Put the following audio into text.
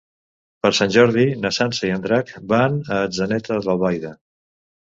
Per Sant Jordi na Sança i en Drac van a Atzeneta d'Albaida.